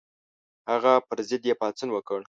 هغه پر ضد یې پاڅون وکړ.